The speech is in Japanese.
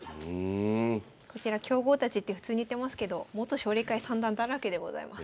こちら強豪たちって普通に言ってますけど元奨励会三段だらけでございます。